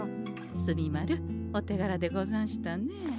墨丸おてがらでござんしたねえ。